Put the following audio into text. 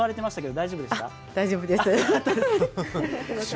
大丈夫です。